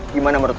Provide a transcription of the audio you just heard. gimana menurut lo